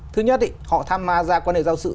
thứ nhất thì họ tham ma ra quan hệ giao sự